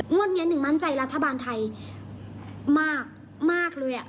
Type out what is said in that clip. งวดเนี้ยหนึ่งมั่นใจรัฐบาลไทยมากมากเลยอ่ะ